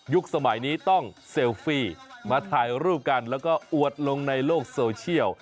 สมัยนี้ต้องเซลฟี่มาถ่ายรูปกันแล้วก็อวดลงในโลกโซเชียล